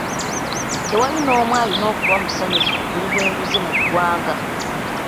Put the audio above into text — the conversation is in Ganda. Tewali n'omu alina kuba musanyufu ku buli bw'enguzi mu ggwanga.